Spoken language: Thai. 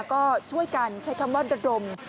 ก็ช่วยกันใช้คำว่าระดม